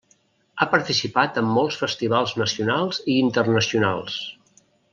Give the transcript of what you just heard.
Ha participat en molts festivals nacionals i internacionals.